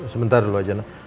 sebentar dulu saja nek